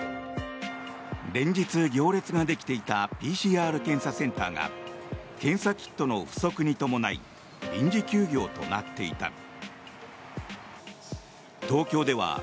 連日、行列ができていたＰＣＲ検査センターが検査キットの不足に伴い臨時休業となっていた。